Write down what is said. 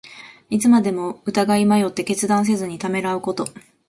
いつまでも疑い迷って、決断せずにためらうこと。